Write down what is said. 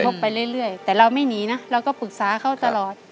ไปเรื่อยแต่เราไม่หนีนะเราก็ปรึกษาเขาตลอด